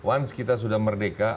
once kita sudah merdeka